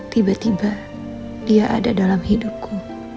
tiba tiba dia ada dalam hidupku